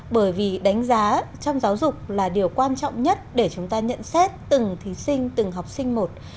bởi vì đánh giá trong giáo dục là điều quan trọng nhất để chúng ta nhận xét từng thí sinh từng học sinh một